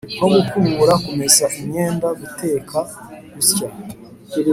nko gukubura, kumesa imyenda, guteka, gusya,